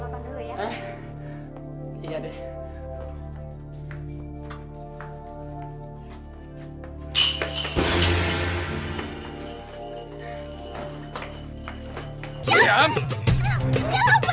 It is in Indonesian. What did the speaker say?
nailah bikin sarapan dulu ya